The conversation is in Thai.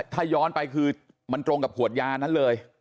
ถ้าย้อนไปคือมันตรงกับขวดยานั้นเลย